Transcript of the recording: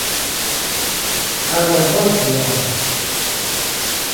Ama toʼö yeabea.